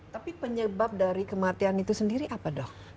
tapi penyebab dari kematian itu sendiri apa dok